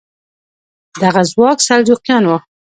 دغه ځواک سلجوقیان وو.